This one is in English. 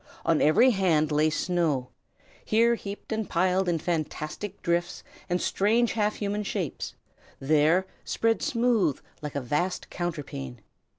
On every hand lay the snow, here heaped and piled in fantastic drifts and strange half human shapes; there spread smooth, like a vast counterpane.